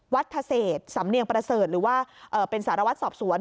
ทเศษสำเนียงประเสริฐหรือว่าเป็นสารวัตรสอบสวน